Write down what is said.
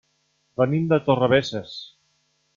Venim de Torrebesses.